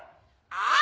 ああ！？